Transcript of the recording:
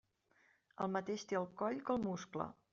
El mateix té al coll que al muscle.